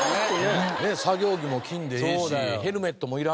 作業着も着んでええしヘルメットもいらんし。